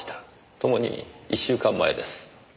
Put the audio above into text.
ともに１週間前です。